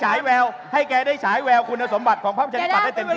ให้แกได้ฉายแววคุณสมบัติของภาพชนิดปรับได้เต็มที